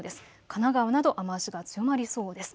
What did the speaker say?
神奈川など雨足が強まりそうです。